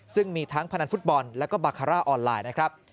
ซึ่งมีทั้งพนันฟุตบอลและก็บัคคาร่าออนไลน์